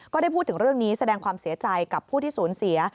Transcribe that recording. ก็ได้พูดถึงเรื่องนี้แสดงความเสียใจกับผู้ที่สูญเสีย